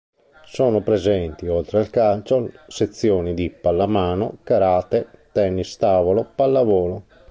Sono presenti, oltre al calcio, sezioni di pallamano, karate, tennis tavolo, pallavolo.